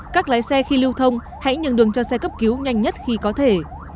các lái xe khi lưu thông hãy nhường đường cho xe cấp cứu nhanh nhất khi có thể